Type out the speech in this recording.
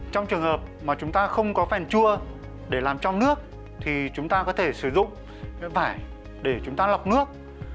trong trường hợp mà chúng ta không có phèn chua để làm trong nước thì chúng ta có thể sử dụng vải để chúng ta lọc nước